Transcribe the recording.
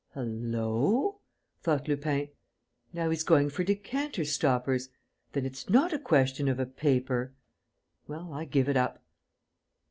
"Hullo!" thought Lupin. "Now he's going for decanter stoppers! Then it's not a question of a paper? Well, I give it up."